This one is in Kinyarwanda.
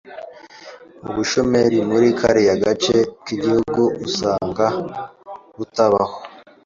Ubushomeri muri kariya gace k'igihugu usanga butabaho.